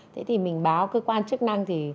thế thì mình báo cơ quan chức năng